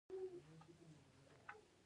پۀ ما پسې د خپل خپل وال نه غاپي